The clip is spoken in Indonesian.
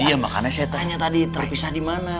iya makanya saya tanya tadi terpisah dimana